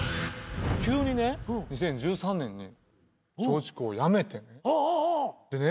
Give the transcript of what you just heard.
急にね２０１３年に松竹を辞めてねでね